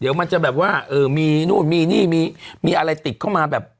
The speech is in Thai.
เดี๋ยวมันจะแบบว่าเออมีนู่นมีนี่มีอะไรติดเข้ามาแบบ